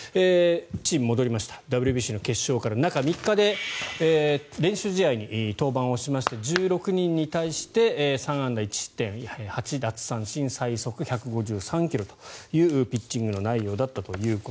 チーム、戻りましたＷＢＣ決勝から中３日で練習試合に登板をしまして１６人に対して３安打１失点８奪三振最速１５３ｋｍというピッチングの内容だったと。